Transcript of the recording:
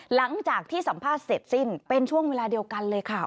หลังจากที่สัมภาษณ์เสร็จสิ้นเป็นช่วงเวลาเดียวกันเลยค่ะ